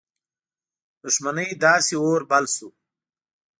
دښمنۍ داسي اور بل شو.